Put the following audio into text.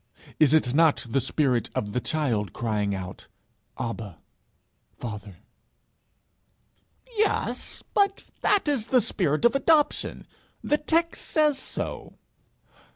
Is it not the spirit of the child, crying out, "Abba, Father"?' 'Yes; but that is the spirit of adoption; the text says so.'